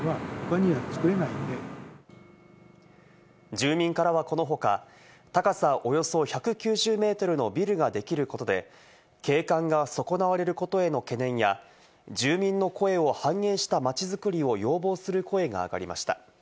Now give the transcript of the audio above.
住民からはこの他、高さおよそ１９０ｍのビルができることで、景観が損なわれることへの懸念や住民の声を反映したまちづくりを要望する声が上がりました。